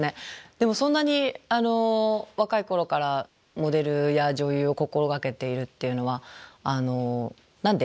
でもそんなに若い頃からモデルや女優を心がけているっていうのは何でそうなりたいって思ったんですか？